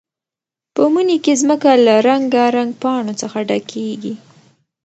په مني کې ځمکه له رنګارنګ پاڼو څخه ډکېږي.